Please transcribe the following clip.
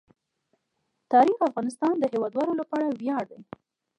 تاریخ د افغانستان د هیوادوالو لپاره ویاړ دی.